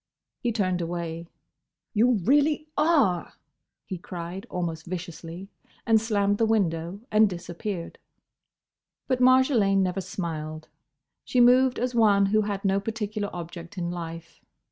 He turned away. "You really are—!" he cried, almost viciously; and slammed the window, and disappeared. But Marjolaine never smiled. She moved as one who had no particular object in life.